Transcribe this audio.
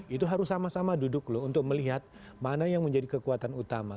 itu harus sama sama duduk loh untuk melihat mana yang menjadi kekuatan utama